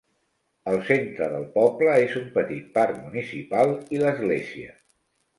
El centre del poble és un petit parc municipal i l'església.